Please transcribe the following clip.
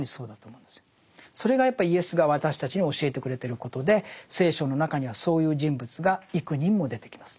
それがやっぱりイエスが私たちに教えてくれてることで聖書の中にはそういう人物が幾人も出てきます。